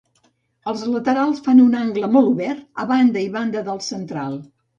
Els laterals fan un angle molt obert, a banda i banda del central.